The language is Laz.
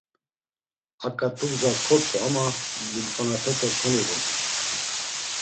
A ǩat̆ugza kort̆u ama limxonapete koniğobu.